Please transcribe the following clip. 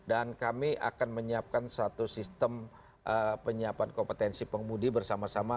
dan kami akan menyiapkan satu sistem penyiapan kompetensi pemudi bersama sama